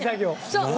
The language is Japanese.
そう。